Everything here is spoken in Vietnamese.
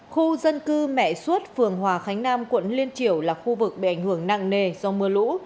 khu dân cư mẹ suốt phường hòa khánh nam quận liên triểu là khu vực bị ảnh hưởng nặng nề do mưa lũ